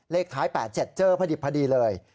เลขท้าย๘๗เจอพระดิบพระดีเลย